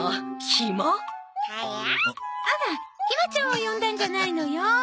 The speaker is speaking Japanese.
ひまちゃんを呼んだんじゃないのよ。